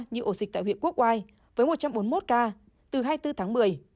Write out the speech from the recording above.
như ổ dịch tại huyện quốc oai với một trăm bốn mươi một ca từ hai mươi bốn tháng một mươi